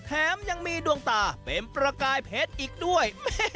แถมยังมีดวงตาเป็นประกายเพชรอีกด้วย